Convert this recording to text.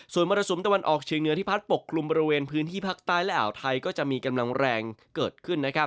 ส่วนมรสุมตะวันออกเชียงเหนือที่พัดปกคลุมบริเวณพื้นที่ภาคใต้และอ่าวไทยก็จะมีกำลังแรงเกิดขึ้นนะครับ